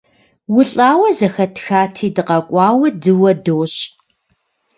УлӀауэ зэхэтхати, дыкъэкӀуауэ дыуэ дощӀ.